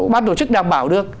ban tổ chức đảm bảo được